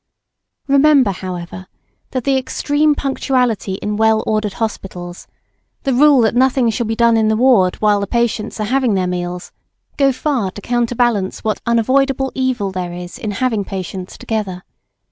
Remember, however, that the extreme punctuality in well ordered hospitals, the rule that nothing shall be done in the ward while the patients are having their meals, go far to counterbalance what unavoidable evil there is in having patients together.